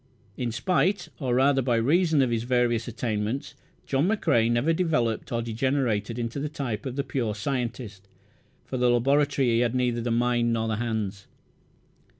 In spite, or rather by reason, of his various attainments John McCrae never developed, or degenerated, into the type of the pure scientist. For the laboratory he had neither the mind nor the hands.